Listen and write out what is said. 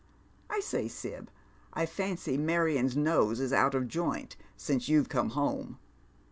I say, Sib, I fancy Marion's nose is out of joint since you've come home."